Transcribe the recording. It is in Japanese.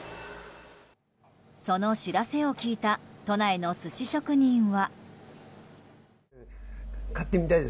その知らせを聞いた都内の寿司職人は。